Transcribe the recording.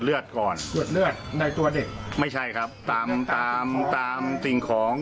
เลือดก่อนเลือดเลือดในตัวเด็กไม่ใช่ครับตามตามสิ่งของ